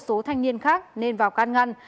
bình đưa một số thanh niên khác nên vào can ngăn